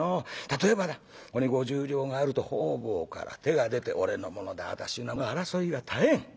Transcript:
例えばだここに５０両があると方々から手が出て俺のものだ私のものだと争いは絶えん。